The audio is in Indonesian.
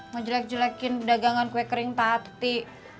mau jelek jelekin dagangan kue kering tati